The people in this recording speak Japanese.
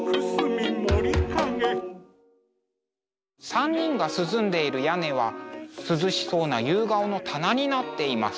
３人が涼んでいる屋根は涼しそうな夕顔の棚になっています。